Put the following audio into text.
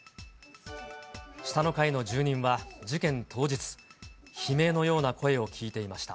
下の階の住人は、事件当日、悲鳴のような声を聞いていました。